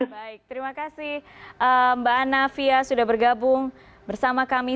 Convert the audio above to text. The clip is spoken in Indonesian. baik terima kasih mbak anavia sudah bergabung bersama kami